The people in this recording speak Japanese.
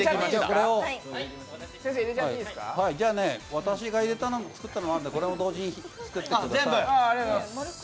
私が入れたのも、作ったのもあるんで、これも同時に入れてください。